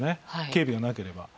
警備がなければ。